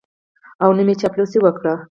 او نه مې چاپلوسي وکړه.